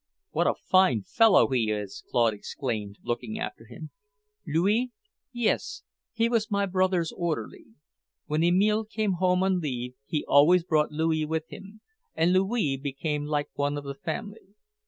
"What a fine fellow he is!" Claude exclaimed, looking after him. "Louis? Yes. He was my brother's orderly. When Emile came home on leave he always brought Louis with him, and Louis became like one of the family.